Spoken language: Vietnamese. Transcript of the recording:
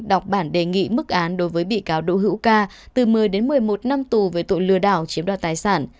đọc bản đề nghị mức án đối với bị cáo đỗ hiệu ca từ một mươi một mươi một năm tù với tội lừa đảo chiếm đoạt tài sản